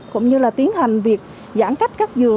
cũng như là tiến hành việc giãn cách các dừa